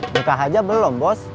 nggak aja belum bos